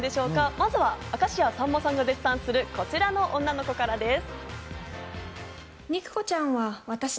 まずは明石家さんまさんが絶賛する、こちらの女の子からです。